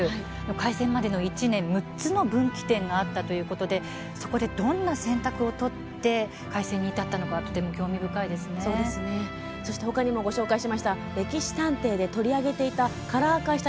開戦までの一連、６つの分岐点があったということでそこでどんな選択を取って開戦に至ったのかほかにもご紹介した「歴史探偵」で取り上げていたカラー化しました